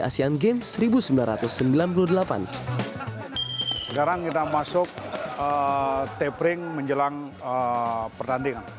sekarang kita masuk tapering menjelang pertandingan